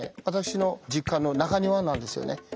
私の実家の中庭なんですよね。